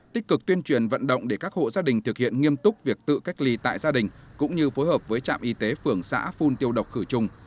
tích cực tuyên truyền vận động để các hộ gia đình thực hiện nghiêm túc việc tự cách ly tại gia đình cũng như phối hợp với trạm y tế phường xã phun tiêu độc khử trùng